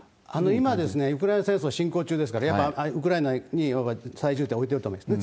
今、ウクライナ戦争進行中ですから、ウクライナに最重点を置いてると思うんですね。